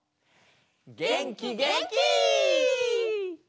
げんきげんき！